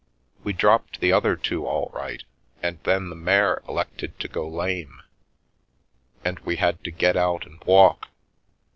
We dropped the other two all right, and then the mare elected to go lame, and we had to get out and walk.